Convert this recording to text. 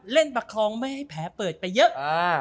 ประคองไม่ให้แผลเปิดไปเยอะ